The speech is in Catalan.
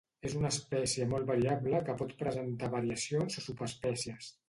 És una espècie molt variable que pot presentar variacions o subespècies.